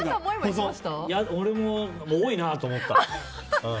俺も多いなと思った。